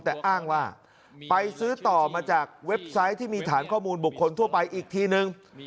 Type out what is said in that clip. แต่อ้างว่าไปซื้อต่อมาจากเว็บไซต์ที่มีฐานข้อมูลบุคคลทั่วไปอีกทีนึง